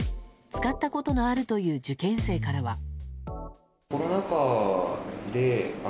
使ったことがあるという受験生からは。